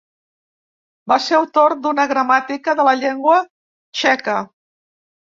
Va ser autor d'una gramàtica de la llengua txeca.